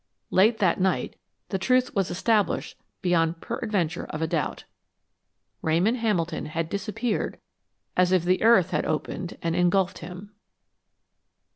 Late that night the truth was established beyond peradventure of a doubt. Ramon Hamilton had disappeared as if the earth had opened and engulfed him.